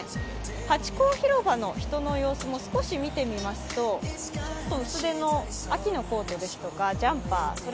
ハチ公広場の人の様子も少し見てみますと、薄手の秋のコートですとか、ジャンパー。